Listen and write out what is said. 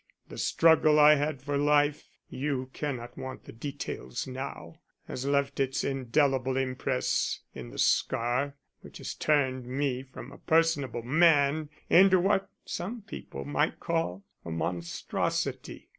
The struggle I had for life you cannot want the details now has left its indelible impress in the scar which has turned me from a personable man into what some people might call a monstrosity.